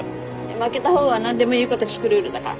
負けた方が何でも言うこと聞くルールだから。